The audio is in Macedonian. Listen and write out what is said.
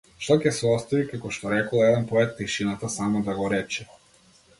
Што ќе се остави како што рекол еден поет тишината сама да го рече.